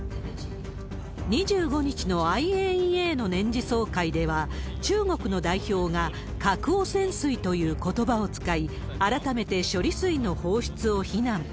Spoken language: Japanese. ２５日のＩＡＥＡの年次総会では、中国の代表が核汚染水ということばを使い、改めて処理水の放出を非難。